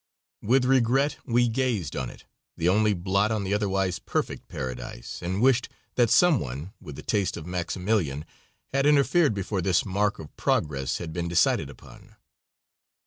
With regret we gazed on it, the only blot on the otherwise perfect paradise, and wished that some one, with the taste of Maximilian, had interfered before this mark of progress had been decided upon.